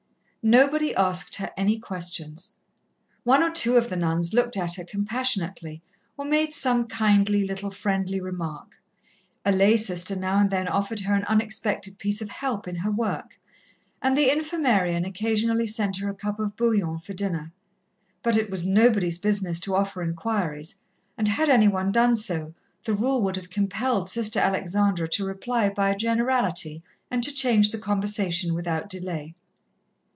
Nobody asked her any questions. One or two of the nuns looked at her compassionately, or made some kindly, little, friendly remark; a lay sister now and then offered her an unexpected piece of help in her work, and the Infirmarian occasionally sent her a cup of bouillon for dinner, but it was nobody's business to offer inquiries, and had any one done so, the rule would have compelled Sister Alexandra to reply by a generality and to change the conversation without delay.